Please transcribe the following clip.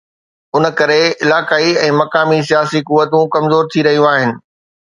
ان ڪري علائقائي ۽ مقامي سياسي قوتون ڪمزور ٿي رهيون آهن.